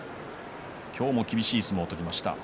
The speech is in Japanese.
今日も厳しい相撲を取りました。